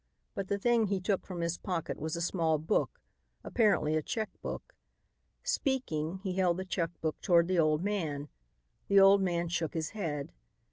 But the thing he took from his pocket was a small book, apparently a check book. Speaking, he held the check book toward the old man. The old man shook his head.